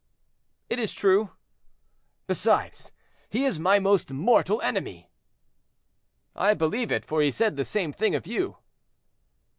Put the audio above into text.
"It is true." "Besides, he is my most mortal enemy." "I believe it, for he said the same thing of you."